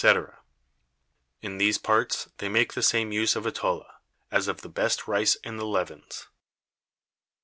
_ In these Parts, they make the same Use of Atolla, as of the best Rice in the Levant.